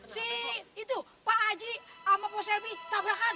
si itu pak aji sama pak selby tabrakan